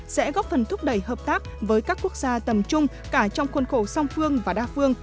sẽ góp phần thúc đẩy hợp tác với các quốc gia tầm trung cả trong khuôn khổ song phương và đa phương